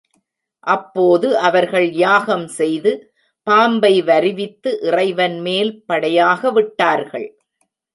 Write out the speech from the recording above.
அப்போது அவர்கள் யாகம் செய்து பாம்பை வருவித்து இறைவன்மேல் படையாக விட்டார்கள்.